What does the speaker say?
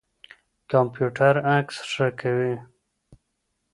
کمپيوټر عکس ښه کوي.